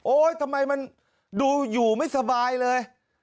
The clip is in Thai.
ทำไมมันดูอยู่ไม่สบายเลย